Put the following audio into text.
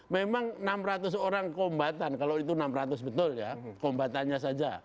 memang enam ratus orang kombatan kalau itu enam ratus betul ya kombatannya saja